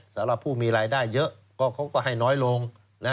สำหรับผู้มีรายได้เยอะเขาก็ให้น้อยลง